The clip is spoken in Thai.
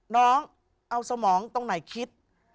น้องเอาสมองตรงไหนคิด